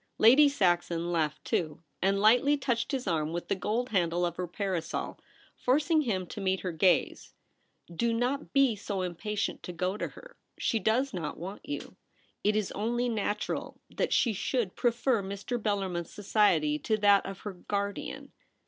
Lady Saxon laughed too ; and lightly touched his arm with the gold handle of her parasol, forcing him to meet her gaze. ' Do not be so impatient to go to her ; she does not want you. It Is only natural that she should 284 THE REBEL ROSE. prefer Mr. Bellarmin's society to that of her — guardian.